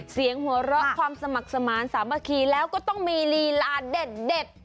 เสียงหัวเราะความสมัครสมาร์ทสามัคคีแล้วก็ต้องมีลีลาเด็ด